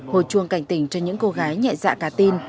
hồi chuông cảnh tỉnh cho những cô gái nhẹ dạ cả tin